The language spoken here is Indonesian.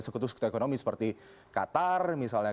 sekutu sekutu ekonomi seperti qatar misalnya